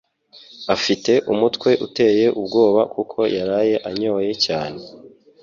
afite umutwe uteye ubwoba kuko yaraye anyoye cyane